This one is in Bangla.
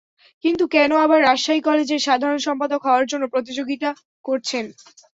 তিনি কেন আবার রাজশাহী কলেজের সাধারণ সম্পাদক হওয়ার জন্য প্রতিযোগিতা করছেন।